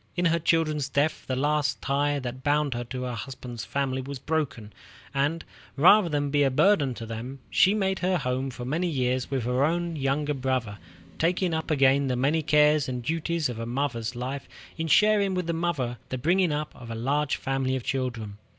In her children's death the last tie that bound her to her husband's family was broken, and, rather than be a burden to them, she made her home for many years with her own younger brother, taking up again the many cares and duties of a mother's life in sharing with the mother the bringing up of a large family of children.